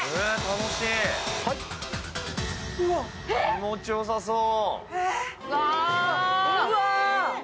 気持ちよさそう。